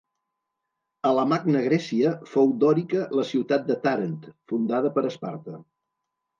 A la Magna Grècia, fou dòrica la ciutat de Tàrent, fundada per Esparta.